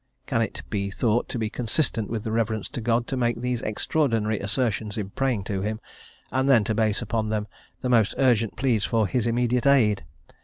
Can it be thought to be consistent with reverence to God to make these extraordinary assertions in praying to Him, and then to base upon them the most urgent pleas for His immediate aid?